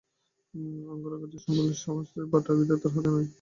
সেটা তাদের অঙ্গরাগেরই সামিল, স্বহস্তের বাঁটা, বিধাতার হাতের নয়।